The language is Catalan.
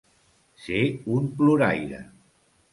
Ser un ploraire.